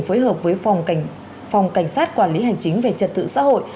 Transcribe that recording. phối hợp với phòng cảnh sát quản lý hành chính về trật tự xã hội